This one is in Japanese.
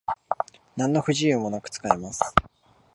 なんの不自由もなく使えてます